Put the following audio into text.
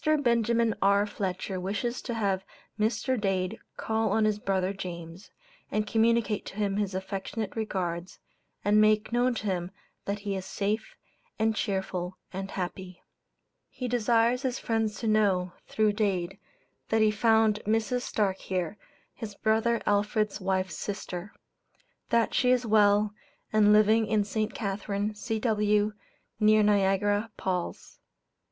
Benjamin R. Fletcher wishes to have Mr. Dade call on his brother James, and communicate to him his affectionate regards, and make known to him that he is safe, and cheerful and happy. He desires his friends to know, through Dade, that he found Mrs. Starke here, his brother Alfred's wife's sister; that she is well, and living in St. Catharine, C.W., near Niagara Palls.